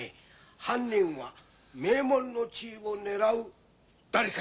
犯人は名門の地位を狙う誰か。